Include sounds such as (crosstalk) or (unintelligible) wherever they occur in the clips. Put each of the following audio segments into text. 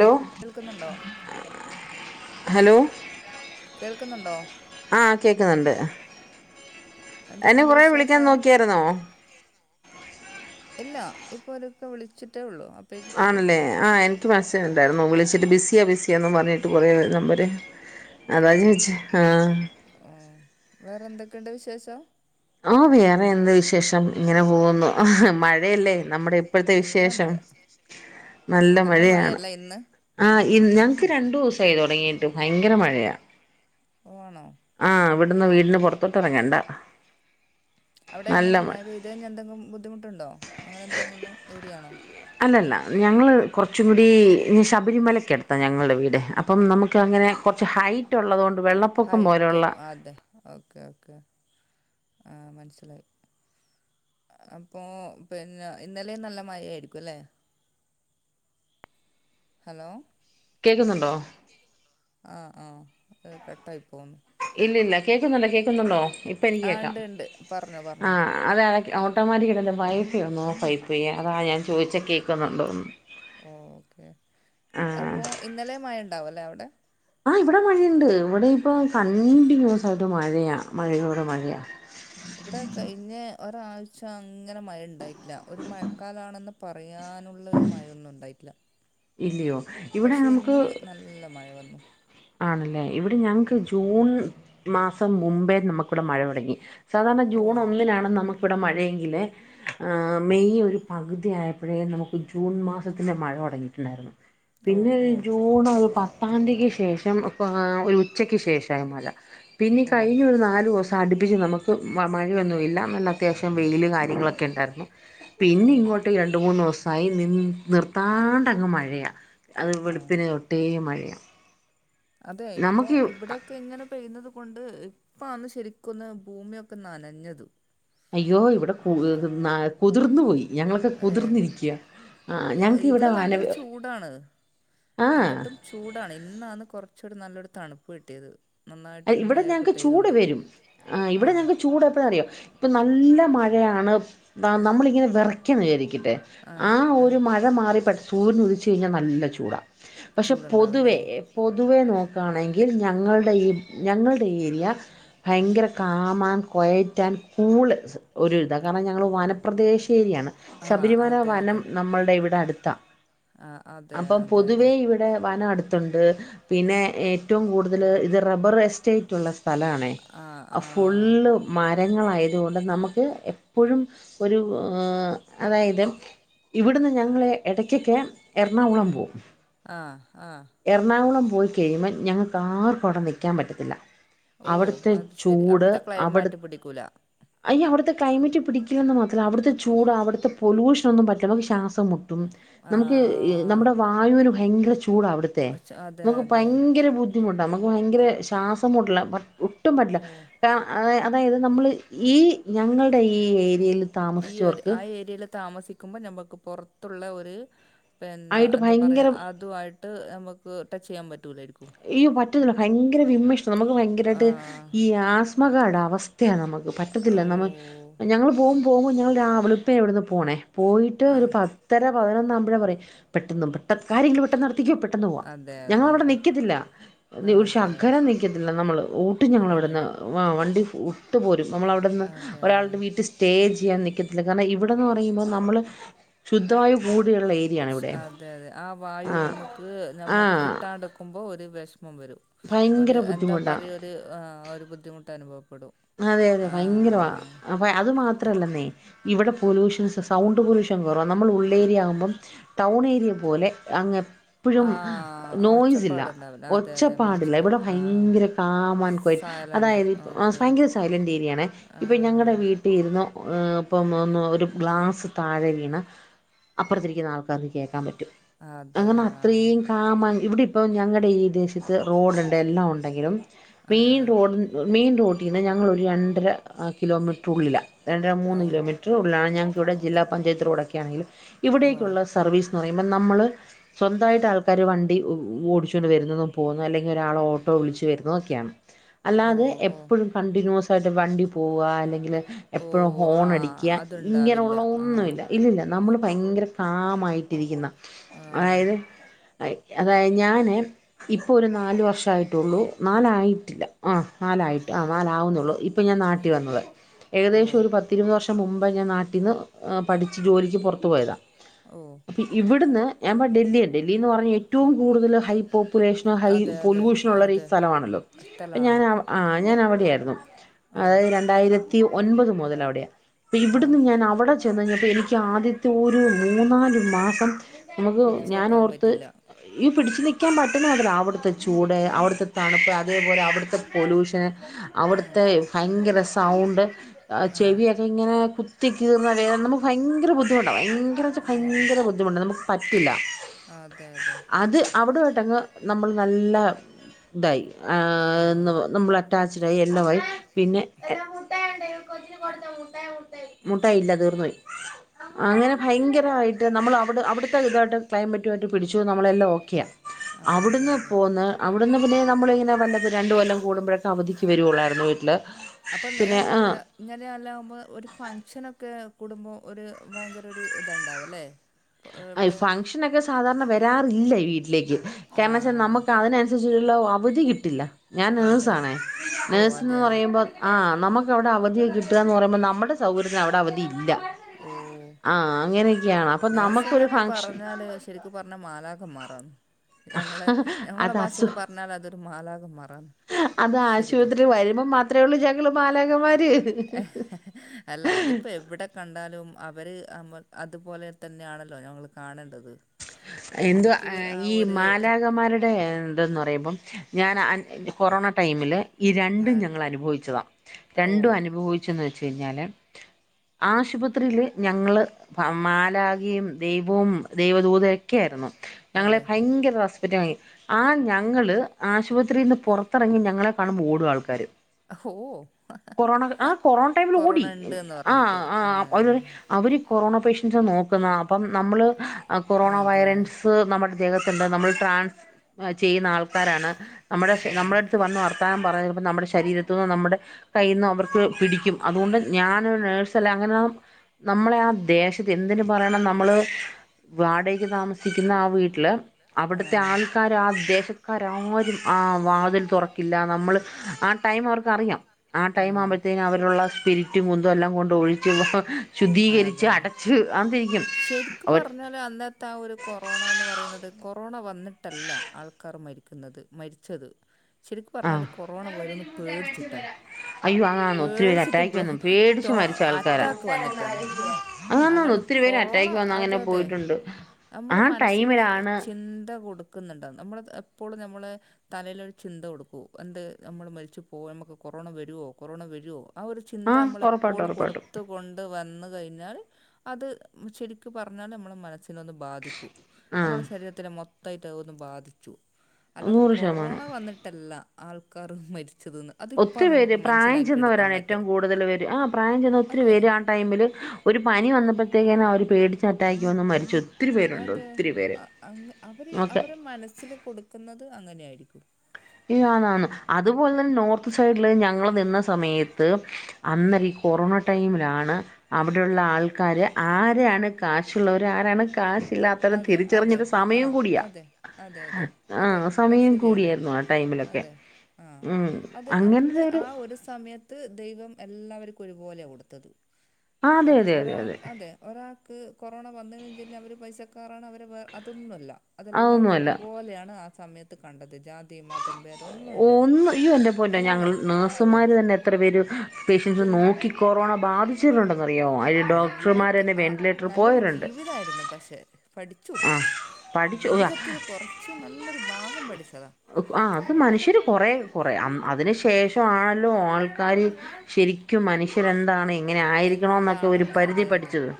ന്തോ കേൾക്കുന്നുണ്ടോ ഹലോ. കേൾക്കുന്നുണ്ടോ ആഹ് കേക്ക്ന്നണ്ട് എന്നെ കൊറെ വിളിക്ക്യാൻ നോക്കിയായിര്ന്നോ. കെര്ന്നു ഇല്ല ഇപ്പൊ അതൊക്കെ വിളിച്ചിട്ടേ ഉള്ളു. ആണല്ലേ ആഹ് എൻ ത്ത് മസ്സേജ് ഉണ്ടായിരുന്നു വിളിച്ചിട്ട് ബിസ്യാ ബിസ്യാന്നും പർഞ്ഞിട്ട് കൊറെ നമ്മര്. അതാ ചോയ്ച് ആഹ്. ഏഹ് വേറെന്തെക്കണ്ട് വിശേഷം. ആഹ് വേറെ എന്ത് വിശേഷം ഇങ്ങനെ പോകുന്നു മഴ്. ഴയല്ലേ നമ്മുടെ ഇപ്പഴ്ത്തെ നല്ല വിശേഷം മഴ നല്ല മഴയാണ്. മഴയല്ലേ ഇന്ന് ആഹ് ഇ ഞങ്ങക്ക് രണ്ടൂസായി തൊടങ്ങീട്ട് ഭയങ്കര മഴയാ. ഓഹ് ആണോ. ആഹ് വട്ന്ന് വീട്ട്‌ല് പൊർത്തോട്ടെറങ്ങണ്ട. അവിടെ എങ്ങനെ മയ പെയ്തയ്ഞ്ഞ എന്തങ്കു ബുദ്ധിമുട്ടുണ്ടോ അങ്ങനെന്തങ്കുള്ള ഏരിയാണോ. അല്ലല്ല ഞങ്ങള് കൊർച്ചു കൂടി ശബരിമലക്ക്യട് ത്ത ഞ്ഞങ്ങളെ വീട് അപ്പം നമുക്ക് അങ്ങനെ കൊർച്ച് ഹൈറ്റ് ഉള്ളതോണ്ട് വെള്ളപ്പൊക്കം ഹൈറ്റ് പോലെയുള്ള. അതെ ഓക്കെ ഓക്കെ ആഹ് മൻസ്സിലായി. അപ്പൊ പിന്ന ഇന്നലെം നല്ല മയയായിരിക്കും അല്ലേ. ഹലോ. കേക്കുന്നുണ്ടോ. കേക്കുന്നുണ്ടോ ആഹ് ആഹ് അ കട്ടായി പോവ്ന്ന്. ഇല്ലില്ല കേട്ടില്ല കേൾക്കുന്നുണ്ടോ കേക്കുന്നുണ്ടോ കേൾക്കുന്നുണ്ടോ ഇപ്പം കേക്കുന്നുണ്ടോ ആഹ് ണ്ട് ണ്ട് പർഞ്ഞോ പർഞ്ഞോ. അതെ കണക്ക് ഓട്ടോമാറ്റിക്കക്കണ്ട് വൈഫിയൊന്നു ഫൈഫയ അതാ ഞാ ചോയ്ച്ചെ കേക്കുന്നുണ്ടോന്ന്. ഓക്കെ അപ്പോ ഇന്നലെ മയണ്ടാവലേ അവ്ടെ. ആഹ് ഇവിടെ മഴയ്ണ്ട് ഇവിടെയിപ്പ കണ്ടിന്യൊസായിട്ട് മഴയാ മഴയോട് മഴയാ. ഇവിടെ കയിഞ്ഞ് ഒരാഴ്ച അങ്ങനെ മഴണ്ടായിട്ടില്ല ഒരു മഴക്കാലാണെന്ന്. പറയാനുള്ളരു മഴയൊന്നും ഉണ്ടായിട്ട്ല്ല. ഇല്ലയോ. ഇവിടെ പക്ഷെ ഇന്ന് നമുക്ക് നല്ല മഴ വന്നു. ആണല്ലേ ഇവിടെ ഞങ്ങക്ക് ജൂൺ മാസം മുമ്പേ നമുക്കിവിടെ മഴ തുടങ്ങി. സാധാര്ണ ഓ ജൂണൊന്നിനാണ് നമുക്കിവിടെ മഴയെങ്കില്. ആഹ് മെയ് ഒരു പകുതിയായപ്പോഴേ നമുക്ക് ജൂൺ മാസത്തിൻ്റെ മഴ തൊടങ്ങിട്ട്ണ്ടായി ഓ പിന്നെര് ഓ ജൂണൊരു പത്താന്തിക്ക് ശേഷം ഇപ്പാ ഒരു. ച്ചക്ക് ശേഷായി മല പിന്നീ ഓ കയിഞ്ഞൊരു നാലൂസ അടുപ്പിച്ച് നമുക്ക്. മ മഴയൊന്നു ഇല്ല ന്നല്ല അത്യാവശ്യം വെയില് കാര്യങ്ങളൊക്കെ ണ്ടായിര്ന്നു. ഓ പിന്നെ ഇങ്ങോട്ട് രണ്ട് മൂന്നൂസായി നി നിർത്താണ്ടങ്ങ് മഴെയാ അത് ആ വെള്പ്പിന് തൊട്ടേ മഴെയാ അതെ ഇപ്പം ഇവ്ടെ ക്കെ ഇങ്ങെനെ പെയ്യ്ന്നത് കൊണ്ട് ഇപ്പാന്ന് ശരിക്കാെന്ന് ഭൂമിയൊക്കെ നനഞ്ഞത് അയ്യോ ഇവിടെ കു ന്നാ കുതിർന്ന് പോയി ഞങ്ങളൊക്കെ ഏ കുതിർന്നിരിക്കാ ആഹ് ആഹ് ഞങ്ങക്ക് ഇവ്ടെ ഇവിടെ വന ഭയങ്കര ചൂടാണ് ആഹ് എന്നിട്ടും ചൂടാണ് ഇന്നാന്ന് കൊറച്ചൊരു നല്ലൊരു തണുപ്പ് കിട്ട്യേത് ഇവിടെ ഞങ്ങക്ക് ചൂട് വെരും ആഹ് ഇവിടെ ഞങ്ങ്ക്ക് ചൂട് എപ്പഴാറ്യോ ഇപ്പൊ നല്ല മഴയാണ് നമ്മളിങ്ങെനെ വെറക്കെന്ന് വിചാരിക്കട്ടെ ആഹ് ആ ഒര് ആഹ് മഴ മഴ മാറി പെ സൂര്യനുദിച്ച് കഴിഞ്ഞാ നല്ല ചൂടാ പക്ഷെ ചൂടുണ്ടാവുംല്ലേ പൊതുവേ പൊതുവേ നോക്കാണെങ്കിൽ ഞങ്ങൾടെ ഈ ഞങ്ങൾടെ ഈ ഏരിയ ഭയെങ്കെര കാമാൻ കൊയറ്റാൻ കൂള് ഒരുര്താ കാര്ണം ഞങ്ങള് വന പ്രദേശേര്യാണ് ആഹ് ശബരിമല അതെ വനം അതെ നമ്മൾടെ ഇവ്ടെ അട്ത്താ ആഹ് അതെ അപ്പം അതെ അതെ പൊതുവേ ഇവിടെ വനം അട് ത്ത്ണ്ട് പിന്നെ ഏറ്റവും കൂടുതല് ഇത് റബെറ് വെച്ച് ചെയ്റ്റുള്ള സ്ഥലാണെ ആഹ് അ ആഹ് ഫുള്ള് മരങ്ങളായതുകൊണ്ട് നമ്ക്ക് എപ്പഴും ഒരു ആഹ് അതായത് ഇവിടുന്ന് ഞങ്ങള് എടെക്കെക്കെ എറണാകുളം പോവും ആഹ് ആഹ് എറണാകുളം പോയി കഴിയുമ്പം ഞങ്ങക്കാർക്കും അവിടെ നിയ്ക്കാൻ പറ്റത്തില്ലാ ഓ അവിട്ത്തെ അത് ശരി ചൂട് അവിടുത്തെ അവിട് ക്ലൈമാറ്റ് പിടിക്കൂല അയ്യോ അവിട്ത്തെ ക്ലൈമെറ്റ് പിടിക്കില്ലെന്ന് മാത്രല്ല അവിട്ത്തെ ചൂട് അവിട്ത്തെ പൊലൂഷനാെന്നും പറ്റ നമക്ക് ശാസം മു ട്ടും നമുക്ക് ആഹ് നമ്മുടെ വായുവിന് ഭയെങ്കെര ചൂടാ അവിട് ത്തെ അതെ നമുക്ക് അതെ ഭയെങ്കെരെ ബു ദ്ധിമുട്ടാ അമ്മക്ക് ഭയെങ്കെരെ ശാസം മുട്ട്ലാ പ ഒട്ടും പറ്റില്ല ഓ കാര് അത അതായത് നമ്മള് ഈ ഞങ്ങൾടെ ഈ ഏരിയേല് ഈ ഒര് ആ ഏരിയേല് താമസിക്കുമ്പം ഞമ്മക്ക് പാെർത്തുള്ളെ ഒര് പെന്നെ ആയിട്ട് എന്താ പറയാ ഭയങ്കര അതു ആയിട്ട് നമ്ക്ക് ടച്ചെയ്യാൻ പറ്റൂലായ്രിക്കും അയ്യോ പറ്റുന്നില്ല ഭയെങ്കെരെ വിമ്മിശ് നമ്ക്ക് ഭയെങ്കെരായിട്ട് ആഹ് ഈ ആസ്മകാര്ടെ അവസ്ഥയാ നമ് ക്ക് ഓ പറ്റത്തില്ല നമ്മൾ ഞങ്ങൾ പോകും പോകുമ്പോ ഞങ്ങൾ രാ വെള്പ്പിനേ ഇവിടെന്ന് പോണേ പോയിട്ട് ഒരു ആഹ് പത്തെര പതിനൊന്നാവുമ്പഴേ പറയും പെട്ടെന്ന് പെട്ട കാര്യം ൻക്ക് പെട്ടെന്നാ ത്ത്ക്ക് പെട്ടെന്ന് പോവാ അതെ അതെ ഞങ്ങവ്ടെ അതെ നി ക്കത്തില്ലാ ഒരു അതെ ശകലം നിയ്ക്കത്തില്ലാ നമ്മള് ഓട്ടും അതെ ഞങ്ങളവിട്ന്ന് വാ വണ്ടി ഓ ട്ടു പോരും നമ്മളവിടുന്ന് അതെ ഒരാള്ടെ വീട്ടി സ്റ്റേ ചെയ്യാൻ നിക്ക ല്ല കാര്ണം ഇവിടെന്ന് പറയുമ്പം നമ്മള് ശുദ്ധവായു കൂടിയുള്ള ഏരിയാണ് ഇവിടെ അതെ അതെ ആ വായു ആഹ് നമ്ക്ക് നമ്മ ആഹ് കിട്ടാണ്ട്ക്കു ക്കുമ്പം ഒറ് വെഷ്മം വെരും ഒര് ഭയങ്കര എന്താ ബുദ്ധിമുട്ടാ പറയ ഒര് ആഹ് ഒര് ബുദ്ധിമുട്ട് അനുഭവപ്പെടും ആഹ് അതെ അതെ ഭയെങ്കെരവാ ആഹ് അപ്പ അത് മാത്രല്ലെന്നേ ഇവടെ പൊലൂഷൻസ് സൗണ്ട് പൊലൂഷൻ കാെറവാ നമ്മൾ ഉള്ളേര്യാവുമ്പം ടൗണേര്യ പോലെ അങ്ങ് പ്പെഴും ആഹ് നോയ്സില്ലാ ഒച്ചപ്പാടുണ്ടാവില്ല അതെ അതെ ഒച്ചപ്പാടില്ലാ മനസ്സിലായി ഇവടെ ആഹ് ഭയെങ്കെരെ കാമാൻ കൊയെ സൈലന്റ് അതായത് ഇപ് ഓക്കെ ഫയെങ്കെരെ സൈലന്റേരിയാണേ ആ ഇപ്പം ഞങ്ങടെ വീ ട്ടീന്ന് ഏഹ് ഇപ്പം ഒന്ന് ഒരു ഗ്ലാസ് താഴെ വീണാ അപ്പർത്തിരിക്ക്ന്നാൾക്കത് കേക്കാം പറ്റും അതെ അങ്ങെനെ ആ അത്രീം കാ കാമാ ഇവിടെ ഇപ്പം ഞങ്ങടെ ഈ ദേശെത്ത് റോഡ്ണ്ട് എല്ലാം ഒണ്ടെങ്കിലും ഏ മെയിൻ റോഡ്ൻ മെയിൻ റോട്ടീന്ന് ഞങ്ങളൊരു രണ്ടര കിലോമീറ്ററുള്ളിലാ രണ്ട ഓ മൂന്ന് കിലോമീറ്ററ് ഉള്ള്ലാണ് ഞങ്ങക്ക്‌വ്ടെ ജില്ലാ പഞ്ചായത്ത് റോഡൊക്കെ ആണെങ്കിലും ഓ ഇവിടേക്കുള്ള സർവീസ് ന്ന് പറയ്മ്പം നമ്മള് സ്വന്തമായിട്ട് ആൾക്കാര് വണ്ടി ഓടിച്ചുകൊണ്ട് വരുന്നതും പോകുന്നതും അല്ലെങ്കി ഒരാള് ഓട്ടോ വിളിച്ച് വരുന്നതും ഒക്കെയാണ് (inaudible) അല്ലാതെ ഓ എപ്പഴും കണ്ടിന്യൂസ് ആയിട്ട് വണ്ടി പോവാ അല്ലെങ്കില് ഓ എപ്പഴും ആ ഹോണടിക്ക്യാ അതുണ്ടാവില്ല ഇങ്ങനെയുള്ള ആ ഒന്നുവില്ല ഇല്ലില്ല നമ്മള് ഭയങ്കര കാമായിട്ടിരിക്കുന്ന ആ അതായത് ആഹ് ഇര്ക്ക്യാ അതായത് ഞാന് ഇപ്പൊ ഒരു നാല് വർഷായിട്ടൊള്ളൂ നാലായിട്ടില്ല ആഹ് നാലായി ആഹ് നാലാവുന്നെയുള്ളൂ ഇപ്പം ഞാൻ നാട്ടി വന്നത് ഓ ഏകദേശം ഒരു പത്തിരുപത് വർഷം മുമ്പേ ഞാൻ നാട്ടിന്ന് പഠിച്ച് ജോലിക്ക് പുറത്തു പോയതാ ഓഹ് ഇവിടുന്ന് ഞാൻപം ഡെല്ലിയാ ഡെല്ലി എന്ന് പറഞ്ഞാൽ ഏറ്റവും കൂടുതൽ ഹൈ പോപ്പുലേഷനോ ഹൈ അതെ അതെ പൊല്യൂഷനുള്ളൊരീ അതെ സ്ഥലമാണല്ലോ അപ്പം സ്ഥലമാണ് ഞാന് അവ് ആഹ് ഞാൻ അവിടെയായിരുന്നു ഓ അതായത് രണ്ടായിരത്തി ഒൻപത് മുതൽ അവിടെയാ ദേ ഓ ഇവിടുന്ന് ഞാൻ അവിടെ ചെന്നഴിഞ്ഞപ്പോ എനിക്ക് ആദ്യത്തെ ഒരു മൂന്നാലു മാസം നമുക്ക് പിടിച്ച് വെക്കാൻ ഞാനോർത്ത് പറ്റില്ല യ്യോ പിടിച്ചു നിക്കാൻ പറ്റുന്ന (unintelligible) അവിടുത്തെ ചൂട് അവിടുത്തെ തണുപ്പ് അതേപോലെ അവിടുത്തെ പൊലൂഷന് ആ അവിടുത്തെ ഭയങ്കര സൗണ്ട് ആഹ് ആ ചെവിയൊക്കെ ഇങ്ങനെ കുത്തിക്കീറുന്ന വേദന നമുക്ക് ഭയങ്കര ബുദ്ധിമുട്ടാ ഭയങ്കര ന്ന് വെച്ചാ ഓ ഭയങ്കര ബുദ്ധിമുട്ടാ നമുക്ക് പറ്റില്ല അതെ അതെ അവിടവുവായിട്ടങ്ങ് നമ്മൾ നല്ല ഇതായി ആ ഏഹ് നുമ്മളെ അറ്റാച്ചിടായി എല്ലാവായി പിന്നെ അങ്ങനെ ഭയങ്കരവായിട്ട് നമ്മൾ അവിട് അവിട് ത്തെ ഇതു ആയിട്ട് ക്ലൈമറ്റുവായിട്ട് പിടിച്ചു നമ്മളെല്ലാം ഓക്കെയാ ആ, അതെ അവിടുന്ന് അതെ പോന്ന് അവിടുന്ന് പിന്നെ നമ്മളിങ്ങനെ വല്ലപ്പം രണ്ട് കൊല്ലം കൂടുമ്പോഴൊക്കെ അവധിക്ക് വരുവൊള്ളായിരുന്നു (unintelligible) ല് അപ്പം പിന്നെ ആഹ് ഇങ്ങനെ എല്ലാകുമ്പോ ഒരു ഫംഗ്ഷനൊക്കെ കൂടുമ്പോ ഒരു ഭയങ്കര ഒരു ഇതണ്ടാവും അല്ലേ ഇപ്പൊ ആഹ് ഇവിടെ ഫംഗ്ഷൻ ഒക്കെ സാധാരണ വരാറില്ല ഈ വീട്ടിലേക്ക് ആ കാരണം എന്ന് വെച്ചാ നമുക്ക് അതിനനുസ രിച്ചുള്ള അവധി കിട്ടില്ല ഞാൻ അതെ നേഴ്സാണേ ഓ നേഴ്സ്ന്ന് അതെയാ പറയുമ്പോൾ ആഹ് നമുക്കവിടെ അവധി കിട്ടുകാന്ന് പറയുമ്പം നമ്മടെ സൗകര്യത്തിന് അവിടെ അവധി ഇല്ല ഓ ആഹ് അങ്ങനെയൊക്കെയാണ് അപ്പൊ നമ ക്ക്ന്നൊക്കെ പറഞ്ഞാല് ശെരിക്കും പറഞ്ഞാ മാലാഘമാറാണ് ഞങ്ങളെ ഞങ്ങളെ അത് അസു ഭാഷേല് പറഞ്ഞാൽ അതൊരു മാലാഘമാ അത് ആശുപത്രിയിൽ വരുമ്പോ മാത്രമേ ഉള്ളൂ ഞങ്ങൾ മാലാഘമാര് അല്ല അതിപ്പോ എവിടെ കണ്ടാലും അവര് അമ്മ അതുപോലെ തന്നെയാണല്ലോ ഞങ്ങള് കാണണ്ടത് എന്തുവാ ഈ മാലാഘമാരുടെ ഇതെന്ന് പറയുമ്പം ഞാൻ അൻ കൊറോണ ടൈമില് ഈ രണ്ടും ആഹ് ഞങ്ങൾ അനുഭവിച്ചതാ ഓ രണ്ടും അനുഭവി ച്ചെന്നു വെച്ച് കഴിഞ്ഞാല് ആശുപത്രിയില് ഞങ്ങള് പ മാലാഘയും ദൈവവും ദൈവദൂതയൊക്കെ ആയിരുന്നു ഞങ്ങളെ ഭയങ്കര റെസ് പെക്റ്റായി. ആ ഞങ്ങള് ആശുപത്രീന്ന് പുറത്തിറങ്ങി ഞങ്ങളെ കാണുമ്പോ ഓടും ആൾക്കാര് ഓ കൊറോണ ആഹ് കൊറോണ ടൈമിൽ കൊറോണ ഓടി ഉണ്ട്ന്ന് പറഞ്ഞിട്ട് ആഹ് ആ ആഹ് അവര് പറയും അവര് കൊറോണ പേഷ്യൻസിനെ നോക്കുന്നാ അപ്പം നമ്മള് കൊറോണ അതെ വൈറൻസ് സ് നമ്മടെ ദേഹത്ത്ണ്ട് നമ്മൾ ട്രാൻസ് ചെയ്യുന്ന ആൾക്കാരാണ് നമ്മുടെ ഓ നമ്മുടെ അടുത്ത് വന്നു വർത്താനം പറയുമ്പോ നമ്മുടെ ശരീര ത്തൂന്ന് നമ്മുടെ കയ്യീന്നും അവർക്ക് പിടിക്കും അതുകൊണ്ട് ഞാനൊരു നേഴ്സല്ലാ അങ്ങനെ നമ്മളെ ആഹ് ദേശത്ത് എന്തിന് പറയണം നമ്മൾ വാടകയ്ക്ക് താമസിക്കുന്ന ആ വീട്ടില് അവിടത്തെ ആഹ് ആൾക്കാര് ആ ദേശ ക്കാരാരും ആ വാതിൽ തുറക്കില്ല നമ്മള് ആ ടൈം അവർക്കറിയാം ആഹ് ടൈം ആകുമ്പഴ്ത്തേനും അവരുള്ള സ്പിരിറ്റും കുന്തമെല്ലാം കൊണ്ട് ഒഴിച്ച് വ അതെ ശ, രിക്ക്‌ അവർ പർഞ്ഞാല് അന്ന ത്താ ഒരു കൊറോണാന്ന് പറയുന്നത് കൊറോണ വന്നിട്ടല്ല, ആൾക്കാർ മരിക്കുന്നത് മരിച്ചത് ശരിക്കു പർഞ്ഞാല് ആഹ് കൊറോണ വരൂന്ന് പേടിച്ചിട്ടാ അയ്യോ അങ്ങാന്ന് ഒത്തിരി പേര് പേടിച്ചിട്ട് അറ്റാക്ക് ബ്ളോ വന്നു പേടിച്ച് ടോ മരിച്ച ആൾക്കാരാ അറ്റാക്ക് വന്നിട്ടാണ് അങ്ങനാന്ന് അല്ലാണ്ട് ഒത്തിരി പേര് കൊറോണ അറ്റാക്ക് വന്ന് അതെ അങ്ങനെ അതെ പോയിട്ടുണ്ട് നമ്മള് ആ ടൈമിലാണ് മനസ്സില്ചി ന്ത കൊടുക്കുന്നുണ്ടോ നമ്മള് എപ്പോളും നമ്മള് തലയിലൊരു ചിന്ത കൊടുക്കൂ എന്ത് നമ്മള് മരിച്ചു ഓ നമുക്ക് കൊറോണ വരുവോ കൊറോണ വരുവോ ആ ഒരു ചിന്ത ആഹ് ഒറപ്പായിട്ടും നമ്മളെപ്പോഴും ഒറപ്പായിട്ടും കൊടുത്ത് കൊണ്ട് വന്ന് കഴിഞ്ഞാൽ അത് ശരിക്കു പറഞ്ഞാൽ നമ്മെളെ മനസ്സിനൊന്ന് ബാധിക്കും ആഹ് നമ്മുടെ ശരീരത്തിനെ മൊത്തായിട്ട് അതൊന്ന് ബാധിച്ചു, അല്ലാതെ നൂറ് കൊറോണ ശതമാനം വന്നിട്ടല്ല ആൾക്കാർ മരിച്ചത് ന്ന് ഒത്തിരി പേര് പ്രായം ചെന്നവരാണ് ഏറ്റവും കൂടുതൽ പേര് ആ പ്രായം ചെന്ന ഒത്തിരി അതെ പേര് ആ ടൈമില് ഒരു പനി വന്നപ്പോഴത്തേക്കെന്നെ അവര് പേടിച്ചറ്റാക് വന്ന് മരിച്ചു പേരുണ്ട് അതെ, ഒത്തിരി പേര് അ അങ് അവര് ഓക്കെ അവരെ മനസ്സിൽ കൊടുക്കുന്നതു അങ്ങനെയായിരിക്കും ആണാണ്. അതുപോലെ തന്നെ നോർത്ത് സൈഡില് ഞങ്ങള് നിന്ന സമയത്ത് അന്നേരം ഈ കൊറോണ ടൈമിലാണ് അവിടെയുള്ള ആൾക്കാര് ആരെയാണ് കാശുള്ളവര് ആരാണ് കാശില്ലാത്തവരും അതെ അതെ തിരിച്ചറിഞ്ഞത് ആ സമയം കൂടിയ അതെ അതെ അതെ ആ അതെ അത് സമയം ശരിയാണ് കൂടിയായിരുന്നു ആ ടൈമി - ലൊക്കെ. അതെ ആഹ് ഉം അത് അങ്ങൻത്തെ അന്ന് ഒരു ആ ഒരു സമയത്ത് ദൈവം എല്ലാവർക്കും ഒരുപോലെയ കൊടുത്തത്. ആ അതെ അത് അതെ അതെ ഒരാ അതെ ഒരാക്ക് കൊറോണ വന്നണ്ച്ച് അവര് പൈസക്കറാണ് അവർ വേ അതൊന്നുല്ല അതെല്ലാവരും അതൊന്നുമല്ല ഒരുപോലെയാണ് ആ സമയത്ത് കണ്ടത് ജാതിമത് ഒന്ന് യ്യോ ന്റെറെപൊന്നെ ഞങ്ങൾ എല്ലാവരും അതെ നാഴ്സുമാര് തന്നെ എത്ര പേര് പേഷ്യൻസ് നോക്കി കൊറോണ ബാധി അന്നത് അ വെന്റിലേറ്റർ നല്ലൊരു പോയവരുണ്ട് ജീവിതായിരുന്നു പക്ഷേ പഠിച്ചു, ആഹ് പഠിച്ചു ജീവിതത്തിൽ കുറച്ച് നല്ലൊരു ഭാഗം പഠിച്ചത ആഹ്‌ അത് മനുഷ്യര് കൊറെ കൊറെ അന്ന് അതിനു ശേഷാണല്ലോ ആൾക്കാര് ശരിക്കും മനുഷ്യരെന്താണ് ങ്ങനെ ആയിരിക്കണന്നൊക്കെ ഒരു എന്താണെന്ന് പരിധി അതെ അതെ പഠിച്ചത്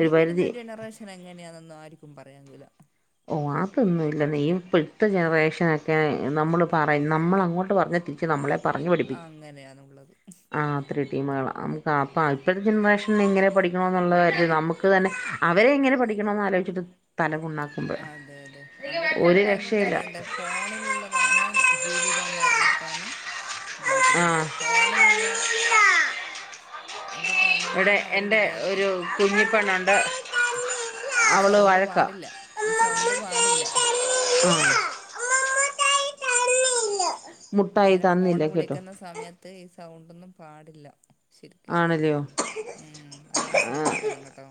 ഒരു പരിധി ങ്ങനെയാന്നൊന്നും ആർക്കും പറയാകയ്യൂല ഓ അതൊന്നുംല്ല നീ ഇപ്പ ഴത്തെ ജനറേഷനൊക്കെ നമ്മള് പറ നമ്മളങ്ങോട്ട് പറഞ്ഞതിരി ച്ച് നമ്മളെ പറഞ്ഞു പഠിപ്പിക്കും. അങ്ങനെയാണുള്ളത് ആ തൃടിമേള നമുക് ആ ഇപ്പോഴജനറേഷ് എങ്ങനെ പഠിക്കണോ എന്നുള്ള കാര്യൽ നമുക്ക് തന്നെ അവരെ എങ്ങനെ പഠിക്കണമന്ന് ആലോചിട്ട് തലപുണ്ണാക്കാ അതെ അതെ അവർക്ക് ഇപ്പ എന്താ വേണ്ടെ ഫോ ഫോണിലുള്ളതാണ് ജീവിതംന്ന്റിഞ്ഞിട്ടാണ് ആ ജീവിക്കുന്നത് ഫോണിനുള്ള ഇത് കൺ വടെ എൻ്റെ ഒരു കുഞ്ഞിപ്പെണ്ണുണ്ട് ഈ അവള് സൗണ്ട് വഴക്കാ പാടില്ല, ഈ സൗണ്ട് പാടില്ല ആഹ് (inaudible) മുട്ടായി ഇങ്ങനെ തന്നില്ല ഫോണ് കേട്ടോ വിളിക്കുന്ന സമയത്ത് ഈ സൗണ്ടൊന്നും പാടില്ല ശരിക്ക്‌ ആണല്ലയോ ആഹ് അതൊന്ന് ശ്രദ്ധിക്കണം കേട്ടോ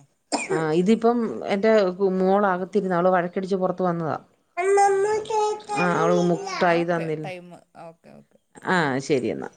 ആഹ്‌ ഇതിപ്പം എന്റെ മോളാകത്തിരുന്നാ അവള് വഴക്കടിച്ച് പൊറത്ത് വന്നതാ ആഹ്‌ ആ അവള് ആന്നാഓക്കേ ടൈം ഓക്കേ ഓക്കെ ആഹ്‌ ശരി എന്നാ